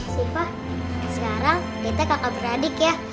siva sekarang kita kakak beradik ya